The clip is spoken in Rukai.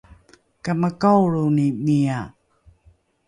kamakaolroni mia?